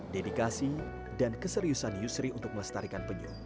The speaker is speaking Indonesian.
dedikasi dan keseriusan yusri untuk melestarikan penyu